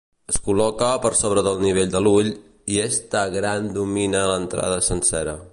Es col·loca per sobre del nivell de l'ull, i és ta gran domina l'entrada sencera.